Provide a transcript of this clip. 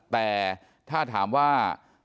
แต่ถ้าถามว่า